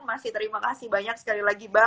masih terima kasih banyak sekali lagi mbak